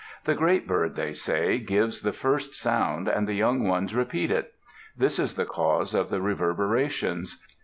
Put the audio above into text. The great bird, they say, gives the first sound, and the young ones repeat it; this is the cause of the reverberations.